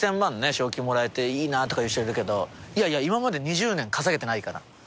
賞金もらえていいなって言う人いるけど今まで２０年稼げてないから。